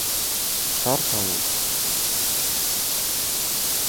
— Шарка, воч!